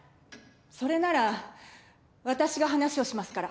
それなら私が話をしますから。